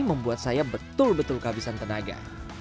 membuat saya betul betul kehabisan tenaga